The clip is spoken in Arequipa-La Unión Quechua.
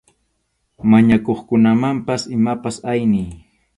Mañakuqkunamanpas imapas ayniy.